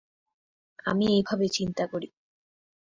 আমি এভাবে চিন্তা করি।